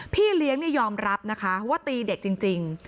พี่เลี้ยงยอมรับนะคะว่าตีเด็กจริง